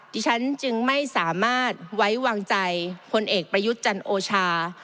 ฉันจึงไม่สามารถไว้วางใจพลเอกประยุทธ์จันโอชา